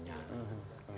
itu yang kekualitanya